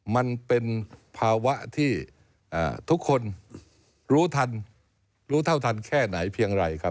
มันเป็นภาวะที่ทุกคนรู้ทันรู้เท่าทันแค่ไหนเพียงไรครับ